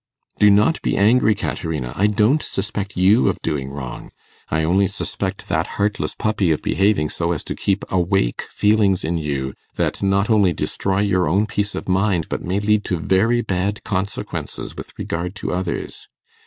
'Do not be angry, Caterina. I don't suspect you of doing wrong. I only suspect that heartless puppy of behaving so as to keep awake feelings in you that not only destroy your own peace of mind, but may lead to very bad consequences with regard to others.